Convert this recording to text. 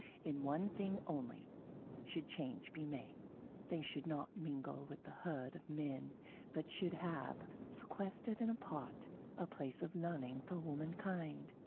In one thing only should change be made: they should not mingle with the herd of men, but should have, sequestered and apart, a place of learning for womankind.